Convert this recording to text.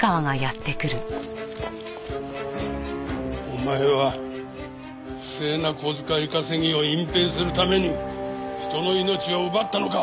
お前は不正な小遣い稼ぎを隠蔽するために人の命を奪ったのか！？